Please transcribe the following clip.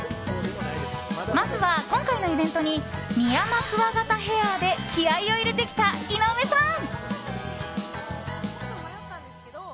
まずは、今回のイベントにミヤマクワガタヘアで気合を入れてきた井上さん。